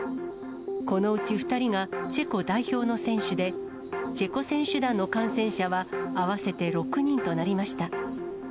このうち、２人がチェコ代表の選手で、チェコ選手団の感染者は合わせて６人となりました。